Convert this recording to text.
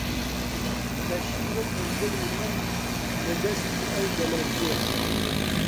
تەشی وەکو دڵی من، لە دەستی ئەو دەلەرزی